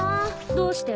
どうして？